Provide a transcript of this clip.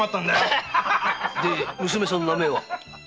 で娘さんの名前は？